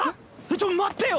ちょっ待ってよ！